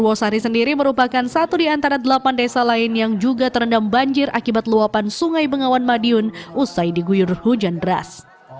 wosari sendiri merupakan satu di antara delapan desa lain yang juga terendam banjir akibat luapan sungai bengawan madiun usai diguyur hujan deras